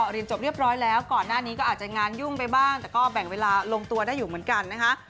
เรียนจบเรียบร้อยแล้วก่อนหน้านี้ก็อาจจะงานยุ่งไปบ้างแต่ก็แบ่งเวลาลงตัวได้อยู่เหมือนกันนะคะ